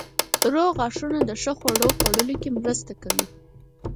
روغ غاښونه د ښه خوړو خوړلو کې مرسته کوي.